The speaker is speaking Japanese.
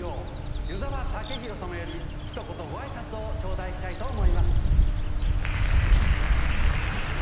湯沢武大様よりひと言ご挨拶を頂戴したいと思います」